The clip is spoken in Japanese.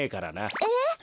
えっ？